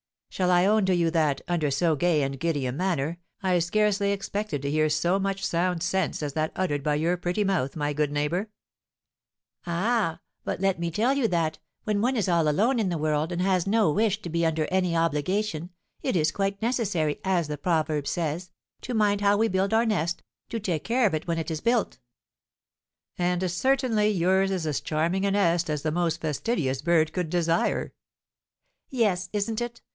"Shall I own to you that, under so gay and giddy a manner, I scarcely expected to hear so much sound sense as that uttered by your pretty mouth, my good neighbour?" "Ah! but let me tell you that, when one is all alone in the world, and has no wish to be under any obligation, it is quite necessary, as the proverb says, to mind how we build our nest, to take care of it when it is built." "And certainly yours is as charming a nest as the most fastidious bird could desire." "Yes, isn't it?